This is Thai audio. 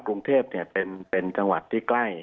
กรุงเทพเป็นจังหวัดที่ใกล้